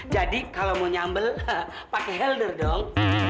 jadi kalau mau nyambel pakai helder dong